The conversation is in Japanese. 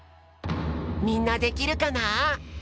みんなできるかな？